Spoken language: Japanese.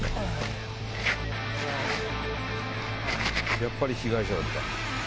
やっぱり被害者だった。